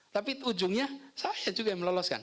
tapi ujungnya saya juga yang meloloskan